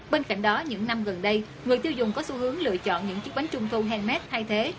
bên cạnh đó những năm gần đây người tiêu dùng có xu hướng lựa chọn những chiếc bánh trung thu handmade thay thế